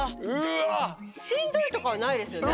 しんどいとかないですね。